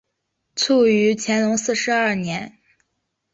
卒于乾隆四十二年。